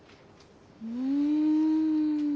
うん。